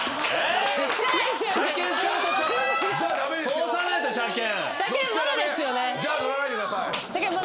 通さないと車検。